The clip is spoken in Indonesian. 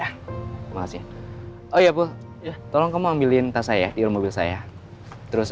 ya makasih oh iya bu tolong kamu ambilin tas saya di rumah saya terus